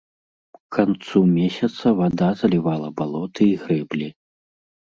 К канцу месяца вада залівала балоты і грэблі.